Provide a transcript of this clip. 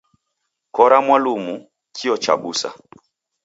Kora mwalumu kio chabusa